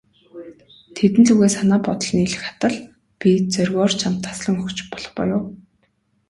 Тэдэн лүгээ санаа бодол нийлэх атал, би зоригоор чамд таслан өгч болох буюу.